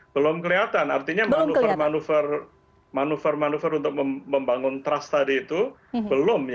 belum kelihatan artinya manuver manuver untuk membangun trust tadi itu belum